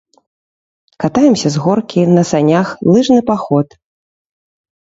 Катаемся з горкі, на санях, лыжны паход.